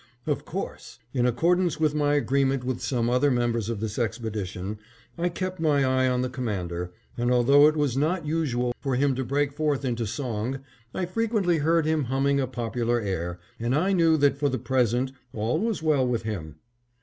Of course! in accordance with my agreement with some other members of this expedition I kept my eye on the Commander, and although it was not usual for him to break forth into song, I frequently heard him humming a popular air, and I knew that for the present all was well with him.